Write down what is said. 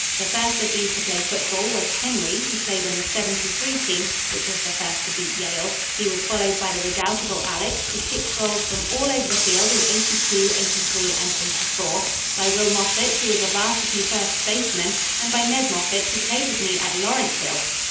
The first of these to play football was Henry, who played on the '73 team which was the first to beat Yale. He was followed by the redoubtable Alex, who kicked goals from all over the field in '82, '83, and '84, by Will Moffat who was a Varsity first baseman and by Ned Moffat who played with me at Lawrenceville.